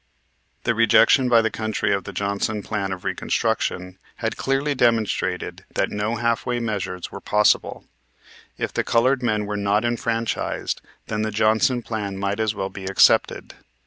The rejection by the country of the Johnson plan of reconstruction, had clearly demonstrated that no halfway measures were possible. If the colored men were not enfranchised then the Johnson plan might as well be accepted.